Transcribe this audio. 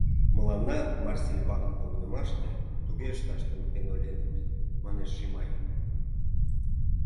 — Мыланна Марсельбанк погынымаште туге ышташ туныктен ойленыт, — манеш Шимай.